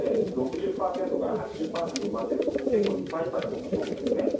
６０％から８０％埋まっていると結構どこもいっぱいいっぱいだと思います。